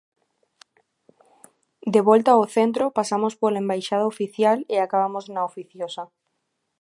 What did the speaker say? De volta ao centro, pasamos pola embaixada oficial e acabamos na Oficiosa.